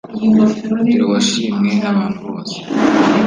Dore washimwe n’abantu bose,